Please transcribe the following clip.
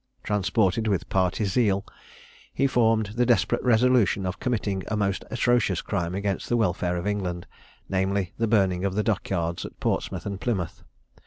Transported with party zeal, he formed the desperate resolution of committing a most atrocious crime against the welfare of England namely, the burning of the dock yards at Portsmouth and Plymouth.